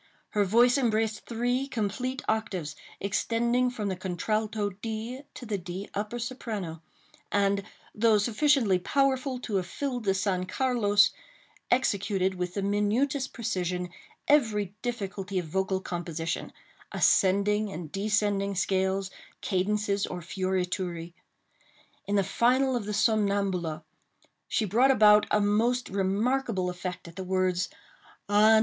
Her voice embraced three complete octaves, extending from the contralto D to the D upper soprano, and, though sufficiently powerful to have filled the San Carlos, executed, with the minutest precision, every difficulty of vocal composition—ascending and descending scales, cadences, or fiorituri. In the final of the Somnambula, she brought about a most remarkable effect at the words: Ah!